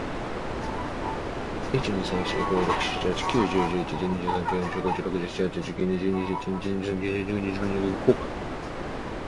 请你全面介绍一下美军是如何在叙利亚验证“抵抗作战概念”的，采取了哪些方法，完善了哪些理论，验证的效果如何？